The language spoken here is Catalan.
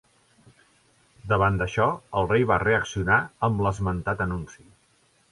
Davant d'això, el rei va reaccionar amb l'esmentat anunci.